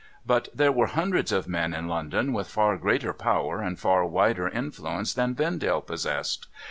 But there were hundreds of men in London with far greater power and far wider influence than Vendale possessed.